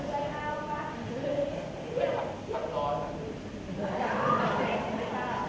สวัสดีครับสวัสดีครับ